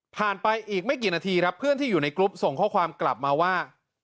ไปอีกไม่กี่นาทีครับเพื่อนที่อยู่ในกรุ๊ปส่งข้อความกลับมาว่า